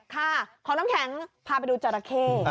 ขอน้ำแข็งพาไปดูจัดระเก้